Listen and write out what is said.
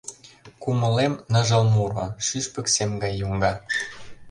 Кумылем — ныжыл муро, Шӱшпык сем гай йоҥга.